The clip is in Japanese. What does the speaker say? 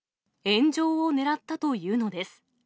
炎上を狙ったというのです。